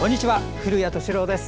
古谷敏郎です。